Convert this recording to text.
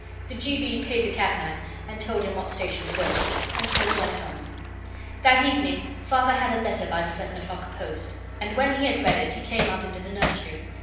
The G. B. paid the cabman and told him what station to go to, and so we went home. That evening Father had a letter by the seven o'clock post. And when he had read it he came up into the nursery.